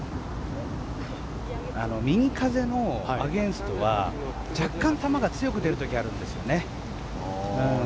右風のアゲンストは若干、球が強く出る時があるんですよね。